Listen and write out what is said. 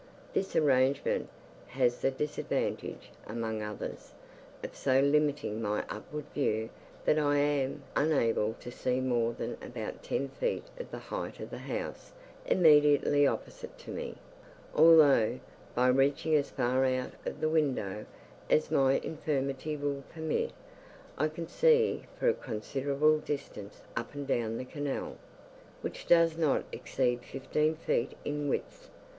This arrangement has the disadvantage (among others) of so limiting my upward view that I am unable to see more than about ten feet of the height of the house immediately opposite to me, although, by reaching as far out of the window as my infirmity will permit, I can see for a considerable distance up and down the canal, which does not exceed fifteen feet in width.